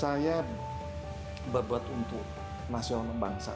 saya berbuat untuk nasional dan bangsa